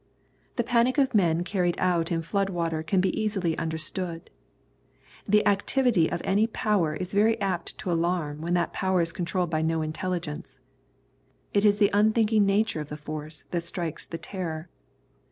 The panic of men carried out in flood water can be easily understood. The activity of any power is very apt to alarm when that power is controlled by no intelligence. It is the unthinking nature of the force that strikes the terror.